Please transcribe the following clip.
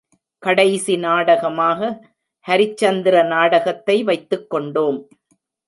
கடைசி நாடகமாக ஹரிச்சந்திர நாடகத்தை வைத்துக்கொண்டோம்.